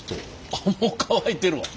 あっもう乾いてるわ！